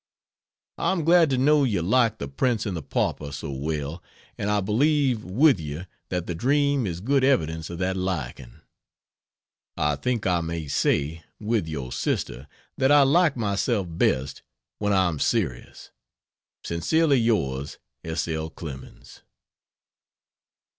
I am glad to know you like the "Prince and the Pauper" so well and I believe with you that the dream is good evidence of that liking. I think I may say, with your sister that I like myself best when I am serious. Sincerely yours, S. L. CLEMENS.